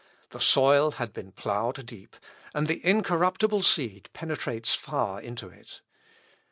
The soil had been ploughed deep, and the incorruptible seed penetrates far into it.